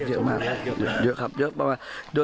เยอะมากเยอะครับเยอะมาก